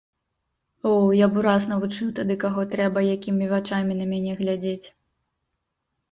О, я б ураз навучыў тады, каго трэба, якімі вачамі на мяне глядзець!